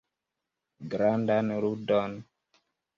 Grandan ludon.